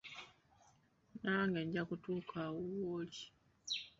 Nange nja kutuuka awo w’oli.